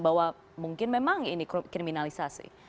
bahwa mungkin memang ini kriminalisasi